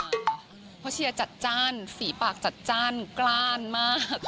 เพราะเชียร์จัดจ้านฝีปากจัดจ้านกล้านมาก